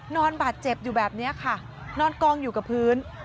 นอนบาดเจ็บอยู่แบบนี้ค่ะนอนกองอยู่กับพื้น